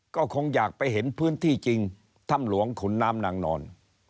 ก็คงอยากไปเห็นพื้นที่จริงถ้ำหลวงขุนน้ำนางนอน